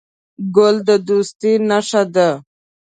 ګل د دوستۍ نښه ده.